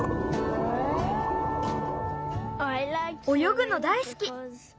およぐの大すき！